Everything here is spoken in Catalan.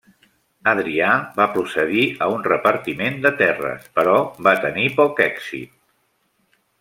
Adrià va procedir a un repartiment de terres però va tenir poc èxit.